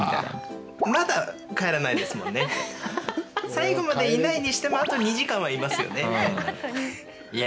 最後までいないにしてもあと２時間はいますよねみたいな。